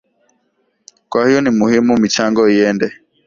kwa hiyo ni ni muhimu michango iende